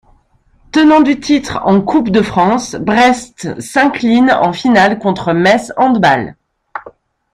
Tenant du tire en coupe de France, Brest s'incline en finale contre Metz Handball.